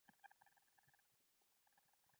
روحانیون تقویه کول.